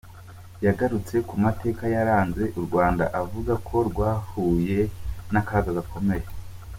Yagarutse ku mateka yaranze u Rwanda, avuga ko rwahuye n’akaga gakomeye.